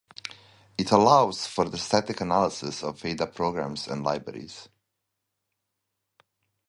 It allows for the static analysis of Ada programs and libraries.